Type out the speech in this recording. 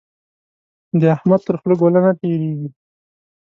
د احمد تر خوله ګوله نه تېرېږي.